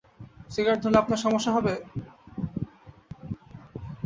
Cigarette ধরালে আপনার সমস্যা হবে?